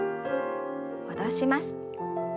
戻します。